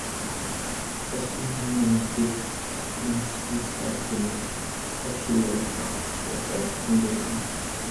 Das Unternehmen bietet Finanzdienstleistungen verschiedener Art für seine Kunden an.